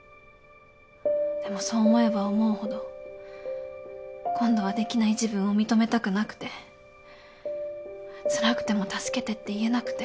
でもそう思えば思うほど今度はできない自分を認めたくなくてつらくても助けてって言えなくて。